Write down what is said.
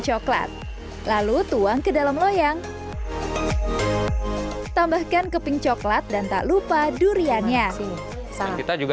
coklat lalu tuang ke dalam loyang tambahkan keping coklat dan tak lupa duriannya juga